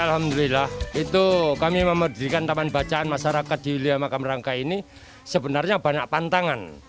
alhamdulillah itu kami memerdirikan taman bacaan masyarakat di wilayah makam rangka ini sebenarnya banyak pantangan